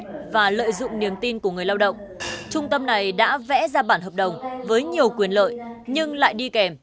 tại đây nhân viên tư vấn lập tức đưa ra bản cam kết lao động đi kèm với trách nhiệm